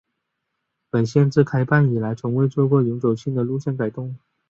本线自开办以来从未做过永久性的路线改动。